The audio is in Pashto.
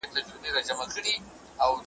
پرېږده چي تور مولوي `